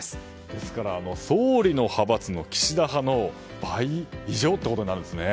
ですから総理の派閥の岸田派の倍以上となるんですね。